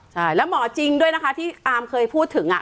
ใช่แล้วหมอจริงด้วยนะคะที่อาร์มเคยพูดถึง